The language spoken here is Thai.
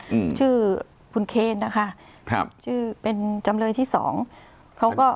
อืมชื่อคุณเคนนะคะครับชื่อเป็นจำเลยที่สองเขาก็